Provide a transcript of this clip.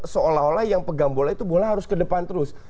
seolah olah yang pegang bola itu bola harus ke depan terus